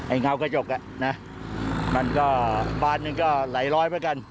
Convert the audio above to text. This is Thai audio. ไอ้เงากระจกอ่ะนะมันก็บ้านนึงก็ไหลร้อยไปกัน